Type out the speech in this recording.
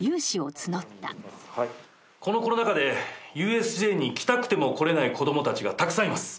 このコロナ禍でＵＳＪに来たくても来れない子供たちがたくさんいます。